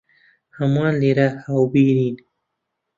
هەموومان لێرە هاوبیرین.